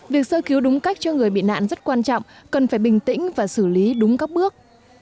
việc sơ cứu đúng cách cho người bị nạn rất quan trọng cần phải bình tĩnh và xử lý đúng các bước